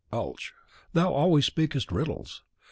Alch: Thou always speakest riddles.